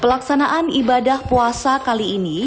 pelaksanaan ibadah puasa kali ini